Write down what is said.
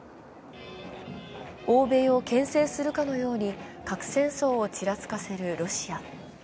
欧米をけん制するかのように核戦争をちらつかせるロシア。